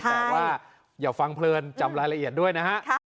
แต่ว่าอย่าฟังเพลินจำรายละเอียดด้วยนะฮะ